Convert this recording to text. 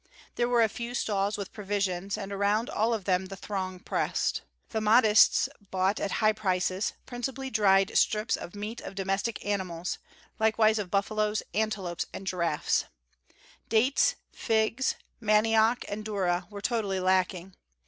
There were a few stalls with provisions and around all of them the throng pressed. The Mahdists bought at high prices principally dried strips of meat of domestic animals; likewise of buffaloes, antelopes and giraffes. Dates, figs, manioc, and durra were totally lacking.